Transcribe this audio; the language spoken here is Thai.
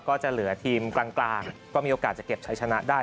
ก็จะเหลือทีมกลางก็มีโอกาสจะเก็บใช้ชนะได้